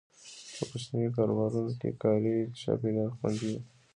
په کوچنیو کاروبارونو کې کاري چاپیریال خوندي وي.